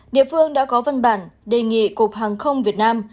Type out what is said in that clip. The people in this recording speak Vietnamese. địa phương đã có văn bản đề nghị cục hàng không việt nam